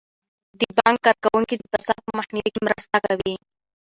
د بانک کارکوونکي د فساد په مخنیوي کې مرسته کوي.